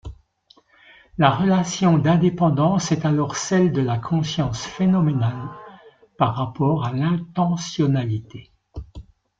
La relation d'indépendance est alors celle de la conscience phénoménale par rapport à l'intentionnalité.